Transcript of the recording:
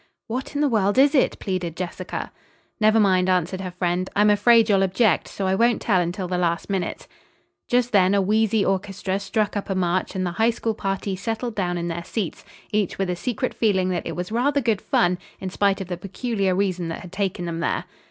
"What in the world is it?" pleaded Jessica. "Never mind," answered her friend. "I'm afraid you'll object, so I won't tell until the last minute." Just then a wheezy orchestra struck up a march and the High School party settled down in their seats, each with a secret feeling that it was rather good fun, in spite of the peculiar reason that had taken them there.